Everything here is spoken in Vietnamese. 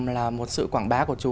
là một sự quảng bá của chú